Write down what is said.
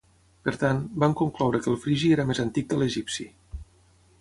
Per tant, van concloure que el frigi era més antic que l'egipci.